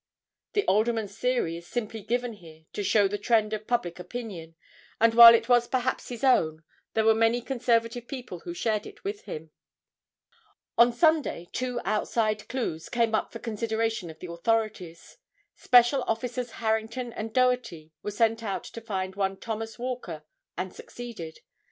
The Alderman's theory is simply given here to show the trend of public opinion, and while it was perhaps his own, there were many conservative people who shared it with him. On Sunday two "outside clues" came up for consideration of the authorities. Special officers, Harrington and Doherty, were sent out to find one Thomas Walker and succeeded.